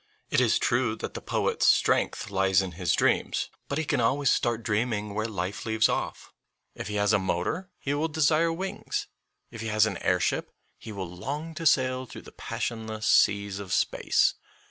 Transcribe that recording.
It is true that the poet's strength lies in his dreams, but he can always start dreaming where life leaves off. If he has a motor he will desire wings ; if he has an airship he will long to sail through the passionless seas of space.